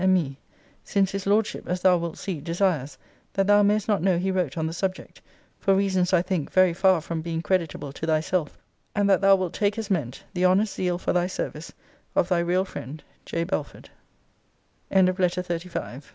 and me; since his Lordship, as thou wilt see, desires, that thou mayest not know he wrote on the subject; for reasons, I think, very far from being creditable to thyself: and that thou wilt take as meant, the honest zeal for thy service, of Thy re